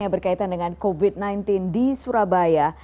yang berkaitan dengan covid sembilan belas di surabaya